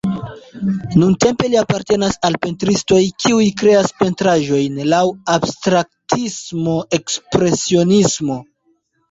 Nuntempe li apartenas al pentristoj, kiuj kreas pentraĵojn laŭ abstraktismo-ekspresionismo.